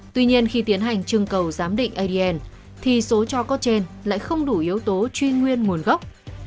tuy nhiên khi tiến hành trưng cầu giám định adn thì số cho có trên lại không đủ yếu tố truy nguyên nguồn gốc